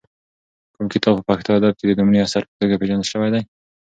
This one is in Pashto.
کوم کتاب په پښتو ادب کې د لومړي اثر په توګه پېژندل شوی دی؟